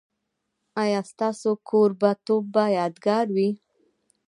ایا ستاسو کوربه توب به یادګار وي؟